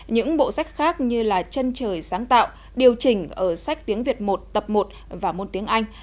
những bộ sách khác như là trân trời sáng tạo điều chỉnh ở sách tiếng việt một tập một và môn tiếng anh